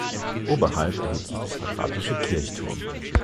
Oberhalb erhebt sich der quadratische Kirchturm.